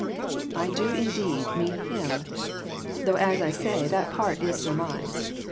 " I do, indeed, mean him ; though as I say, that part is surmise.